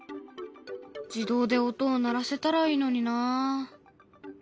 自動で音を鳴らせたらいいのにな。